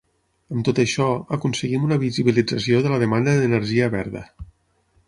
Amb tot això, aconseguim una visibilització de la demanda d’energia verda.